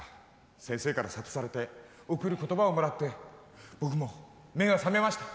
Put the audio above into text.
先生から諭されて贈る言葉をもらって僕も目が覚めました。